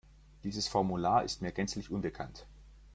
Dieses Formular ist mir gänzlich unbekannt.